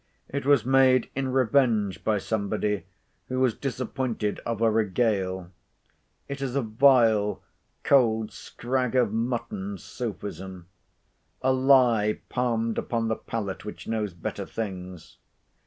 It was made in revenge by somebody, who was disappointed of a regale. It is a vile cold scrag of mutton sophism; a lie palmed upon the palate, which knows better things.